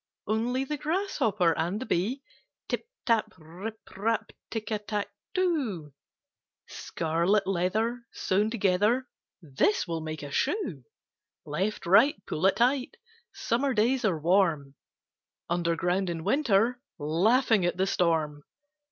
Only the grasshopper and the bee? "Tip tap, rip rap, Tick a tack too! Scarlet leather sewn together, This will make a shoe. Left, right, pull it tight; Summer days are warm; Underground in winter, Laughing at the storm!"